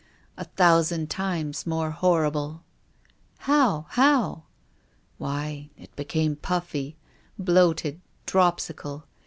a thousand times more horrible." "How? How?" "Why, it became puffy, bloated, drojisical.